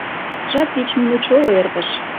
Жап вич минут чоло эртыш.